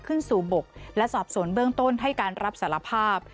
ขึ้นสู่บกและสอบสวนเบื้องต้นให้การรับสารภาพ